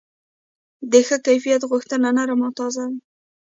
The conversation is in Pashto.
د ښه کیفیت غوښه نرم او تازه وي.